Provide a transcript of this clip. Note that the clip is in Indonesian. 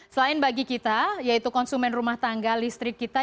selain bagi kita yaitu konsumen rumah tangga listrik kita